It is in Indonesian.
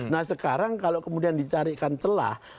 nah sekarang kalau kemudian dicarikan celah